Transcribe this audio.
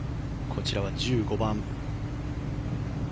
こちらは１５番。